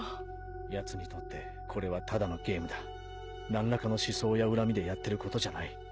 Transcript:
奴にとってこれはただのゲームだ何らかの思想や恨みでやってることじゃない。